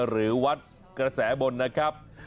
หรือวัดกระแสบนนะครับ